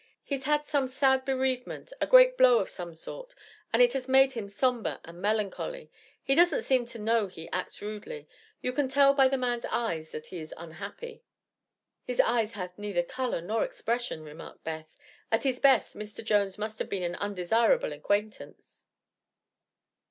"He's had some sad bereavement a great blow of some sort and it has made him somber and melancholy. He doesn't seem to know he acts rudely. You can tell by the man's eyes that he is unhappy." "His eyes have neither color nor expression," remarked Beth. "At his best, this Mr. Jones must have been an undesirable acquaintance."